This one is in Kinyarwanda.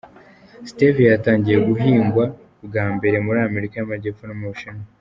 Stevia yatangiye guhingwa bwa mbere muri Amerika y’Amajyepfo n’u Bushinwa.